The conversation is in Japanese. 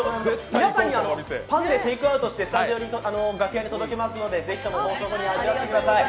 皆さんにパヌレ、テイクアウトして楽屋に届けますのでぜひとも放送後に味わってください。